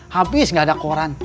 habis nggak ada koran